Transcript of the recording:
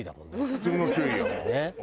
普通の注意よ。